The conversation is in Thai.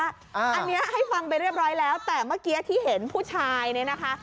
อันนี้ให้ฟังไปเรียบร้อยแล้วแต่เมื่อกี้ที่เห็นผู้ชายเนี่ยนะคะ